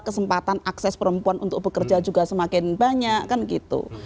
kesempatan akses perempuan untuk bekerja juga semakin banyak kan gitu